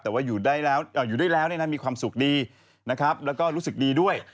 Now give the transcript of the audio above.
แต่ว่าอยู่ด้วยแล้วมีความสุขดีนะครับแล้วก็รู้สึกดีด้วย